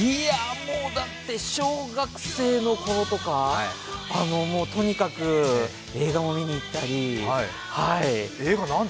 だって小学生のころとか、とにかく映画も見に行ったり。